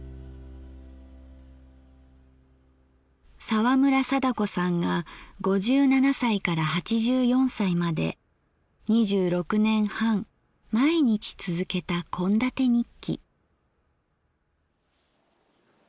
沢村貞子さんが５７歳から８４歳まで２６年半毎日続けた献立日記。